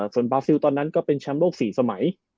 ส่วนบาซิลตอนนั้นก็เป็นแชมป์โลก๔สมัย